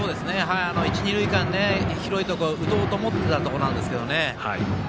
一、二塁間広いところ打とうと思っていたところですけどね。